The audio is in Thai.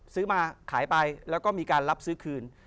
ซื้อมาขายไปแล้วก็มีการรับซื้อคืน